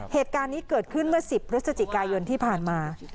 เหตุการณ์นี้เกิดขึ้นเมื่อ๑๐พฤศจิกายนที่ผ่านมา